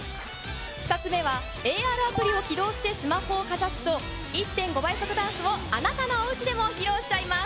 ２つ目はＡＲアプリを起動してスマホをかざすと１．５倍速ダンスをあなたのおうちでも披露しちゃいます。